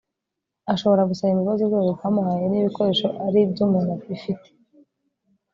ashobora gusaba imbabazi urwego rwamuhaye n ibikoresho ari iby umuntu bifite